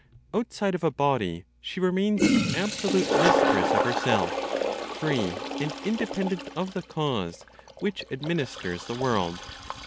Outside of a body, she remains absolute mistress of herself, free and independent of the cause which administers the world.